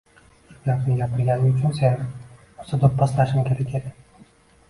Shu gapni gapirganing uchun seni rosa doʻpposlashim kerak edi.